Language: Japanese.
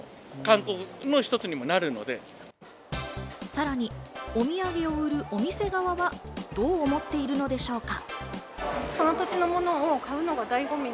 さらに、お土産を売るお店側はどう思っているのでしょうか。